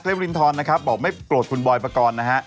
วรินทรนะครับบอกไม่โกรธคุณบอยปกรณ์นะฮะ